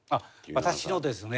私のですね